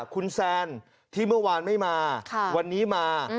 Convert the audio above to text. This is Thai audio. คุณแซนที่เมื่อวานไม่มาวันนี้มา